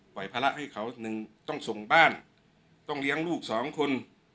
ภาระให้เขาหนึ่งต้องส่งบ้านต้องเลี้ยงลูกสองคน